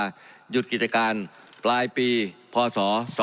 หยุดกิจการปลายปีพศ๒๕๖